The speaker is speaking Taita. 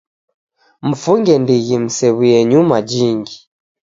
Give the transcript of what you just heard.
Mfunge ndighi msew'uye nyuma jingi